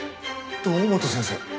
堂本先生。